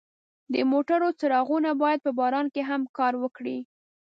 د موټرو څراغونه باید په باران کې هم کار وکړي.